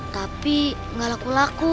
tapi nggak laku laku